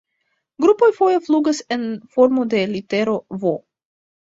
Grupoj foje flugas en formo de litero "V".